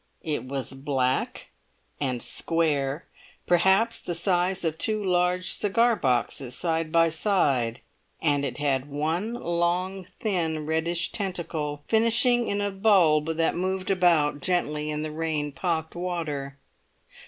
It was black and square, perhaps the size of two large cigar boxes side by side; and it had one long, thin, reddish tentacle, finishing in a bulb that moved about gently in the rain pocked water.